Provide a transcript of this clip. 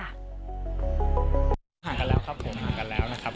ห่างกันแล้วครับผมห่างกันแล้วนะครับ